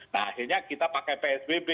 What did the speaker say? nah akhirnya kita pakai psbb